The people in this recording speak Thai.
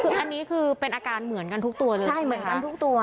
คืออันนี้คือเป็นอาการเหมือนกันทุกตัวเลยใช่เหมือนกันทุกตัว